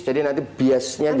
jadi nanti biasanya jadi